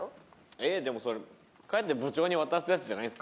えっでもそれ帰って部長に渡すやつじゃないんですか？